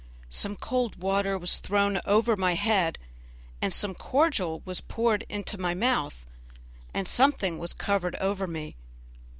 Some cold water was thrown over my head, and some cordial was poured into my mouth, and something was covered over me.